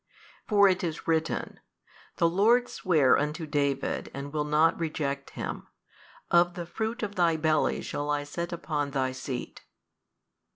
For it is written, The Lord sware unto |222 David and will not reject him, Of the fruit of thy belly shall I set upon thy seat.